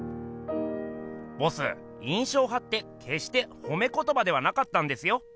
ボス「印象派」ってけっしてほめことばではなかったんですよ。